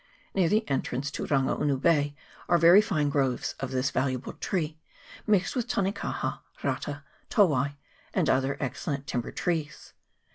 Near the entrance to Rangaunu Bay are very fine groves of this valuable tree, mixed with tanekaha, rata, towai, and other excellent timber trees.